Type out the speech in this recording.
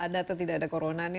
ada atau tidak ada corona nih